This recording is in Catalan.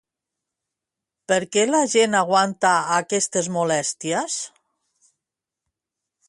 Per què la gent aguanta aquestes molèsties?